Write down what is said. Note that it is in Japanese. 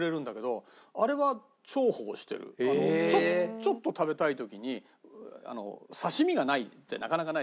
ちょっと食べたい時に刺し身がないなかなかないじゃん。